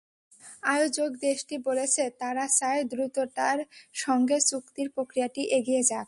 আয়োজক দেশটি বলেছে, তারা চায় দ্রুততার সঙ্গে চুক্তির প্রক্রিয়াটি এগিয়ে যাক।